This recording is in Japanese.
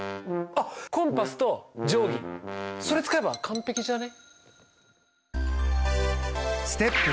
あっコンパスと定規それ使えば完璧じゃね？